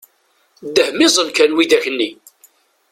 Dehmiẓen kan widak nni!